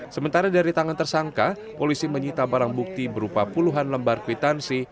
sementara dari tangan tersangka polisi menyita barang bukti berupa puluhan lembar kwitansi